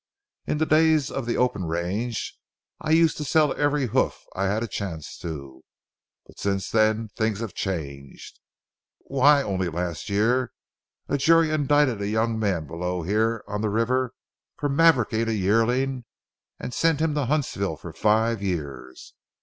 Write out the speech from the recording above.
In the days of the open range, I used to sell every hoof I had a chance to, but since then things have changed. Why, only last year a jury indicted a young man below here on the river for mavericking a yearling, and sent him to Huntsville for five years.